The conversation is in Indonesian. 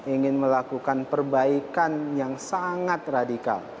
ingin melakukan perbaikan yang sangat radikal